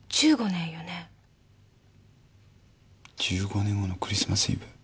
１５年後のクリスマスイブ。